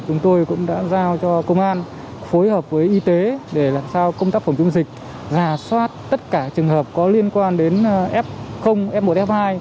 chúng tôi cũng đã giao cho công an phối hợp với y tế để làm sao công tác phòng chống dịch giả soát tất cả trường hợp có liên quan đến f f một f hai